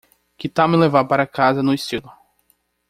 Que tal me levar para casa no estilo?